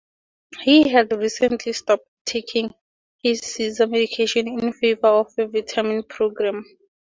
He had recently stopped taking his seizure medication in favor of a vitamin program.